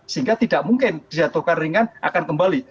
sehingga tidak mungkin dijatuhkan ringan akan kembali